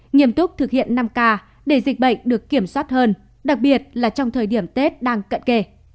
nghiêm túc thực hiện năm k để dịch bệnh được kiểm soát hơn đặc biệt là trong thời điểm tết đang cận kề